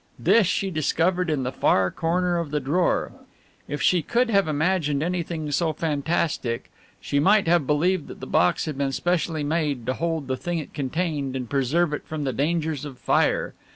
This she discovered in the far corner of the drawer. If she could have imagined anything so fantastic she might have believed that the box had been specially made to hold the thing it contained and preserve it from the dangers of fire.